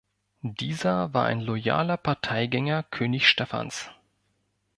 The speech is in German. Dieser war ein loyaler Parteigänger König Stephans.